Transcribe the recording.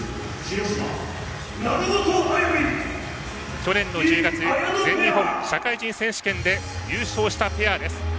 去年の１０月全日本社会人選手権で優勝したペアです。